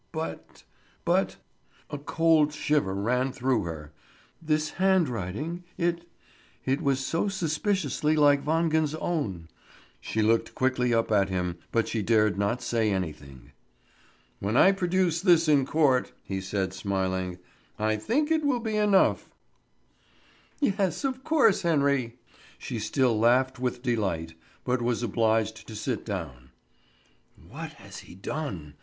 But but a cold shiver suddenly ran through her. This handwriting it it was so suspiciously like Wangen's own. She looked quickly up at him, but she dared not say anything. "When I produce this in court," he said, smiling, "I think it will be enough." "Yes, of course, Henry." She still laughed with delight, but was obliged to sit down. "What has he done?"